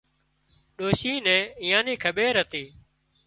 ڏوشي نين ايئان نِي کٻير هتي